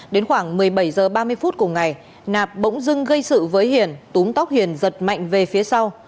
đến khoảng một mươi bảy h ba mươi phút cùng ngày nạp bỗng dưng gây sự với hiền túm tóc hiền giật mạnh về phía sau